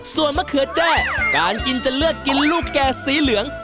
ส่วนมะเขือแจ้การกินจะเลือกกินลูกแก่สีเหลือง